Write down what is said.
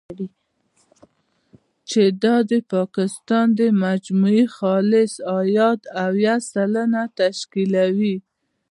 چې دا د پاکستان د مجموعي خالص عاید، اویا سلنه تشکیلوي.